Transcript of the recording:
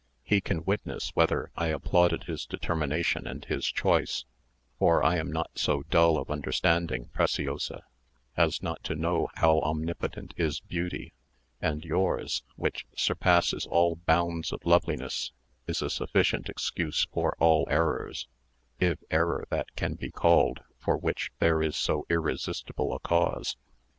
He can witness whether I applauded his determination and his choice; for I am not so dull of understanding, Preciosa, as not to know how omnipotent is beauty; and yours, which surpasses all bounds of loveliness, is a sufficient excuse for all errors, if error that can be called for which there is so irresistible a cause.